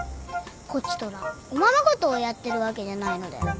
こちとらおままごとをやってるわけじゃないので。